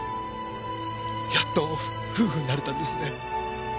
やっと夫婦になれたんですね。